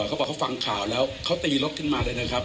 เขาบอกเขาฟังข่าวแล้วเขาตีรถขึ้นมาเลยนะครับ